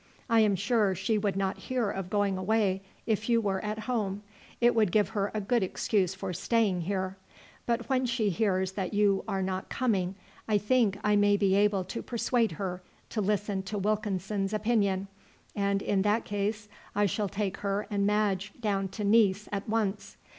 I am sure she would not hear of going away if you were at home; it would give her a good excuse for staying here; but when she hears that you are not coming I think I may be able to persuade her to listen to Wilkinson's opinion, and in that case I shall take her and Madge down to Nice at once.